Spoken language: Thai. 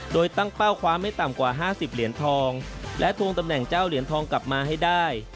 โดยตั้งเป้าคว้าไม่ต่ำกว่า๕๐เหรียญทองและทวงตำแหน่งเจ้าเหรียญทองกลับมาให้ได้